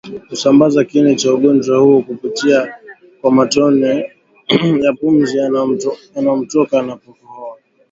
husambaza kiini cha ugonjwa huo kupitia kwa matone ya pumzi yanayomtoka anapokohoa